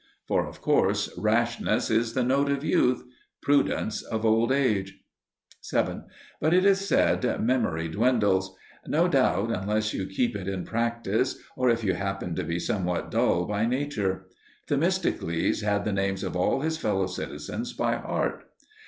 For of course rashness is the note of youth, prudence of old age. 7. But, it is said, memory dwindles. No doubt, unless you keep it in practice, or if you happen to be somewhat dull by nature. Themistocles had the names of all his fellow citizens by heart.